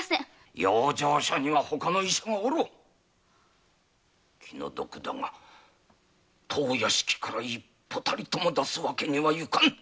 養生所にはほかの医師もおろう気の毒だが当屋敷から一歩も出す訳にはいかん。